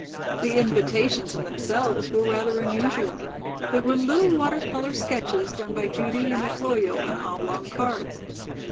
The invitations in themselves were rather unusual. They were little water color sketches done by Judy and Otoyo on oblong cards.